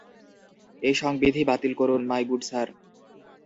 এই সংবিধি বাতিল করুন, মাই গুড স্যার?